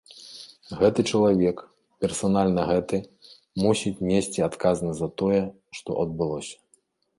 Гэты чалавек, персанальна гэты, мусіць несці адказнасць за тое, што адбылося.